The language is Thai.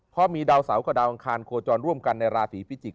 เพราะมีดาวเสาร์กับดาวอังคารโคจรร่วมกันในราศีพิจิกษ